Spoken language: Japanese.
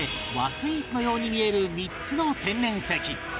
スイーツのように見える３つの天然石